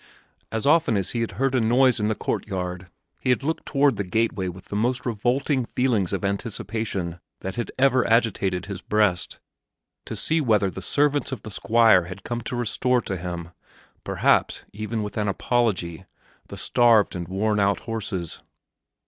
As often as he heard a noise in the courtyard he looked toward the gateway with the most revolting feelings of anticipation that had ever agitated his breast, to see whether the servants of the Squire had come to restore to him, perhaps even with an apology, the starved and worn out horses.